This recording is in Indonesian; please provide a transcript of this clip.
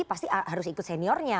pasti harus ikut seniornya